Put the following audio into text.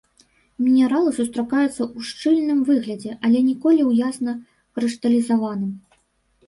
Мінералы сустракаюцца ў шчыльным выглядзе, але ніколі ў ясна крышталізаваным.